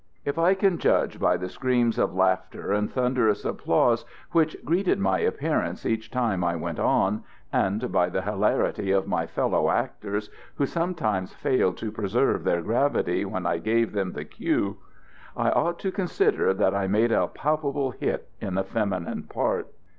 If I can judge by the screams of laughter and thunderous applause which greeted my appearance each time I "went on," and by the hilarity of my fellow actors, who sometimes failed to preserve their gravity when I gave them the "cue," I ought to consider that I made a palpable "hit" in a feminine part.